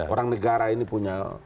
orang negara ini punya